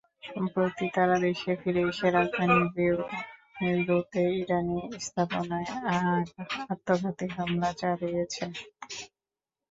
সম্প্রতি তাঁরা দেশে ফিরে এসে রাজধানী বৈরুতে ইরানি স্থাপনায় আত্মঘাতী হামলা চালিয়েছেন।